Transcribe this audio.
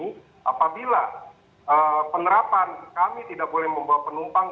jadi apabila penerapan kami tidak boleh membawa penumpang